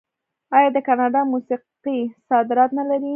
آیا د کاناډا موسیقي صادرات نلري؟